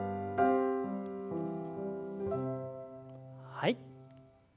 はい。